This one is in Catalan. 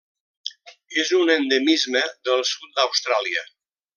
És un endemisme del sud d'Austràlia.